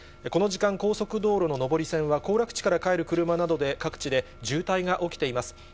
この時間、高速道路の上り線は、行楽地から帰る車などで、各地で渋滞が起きています。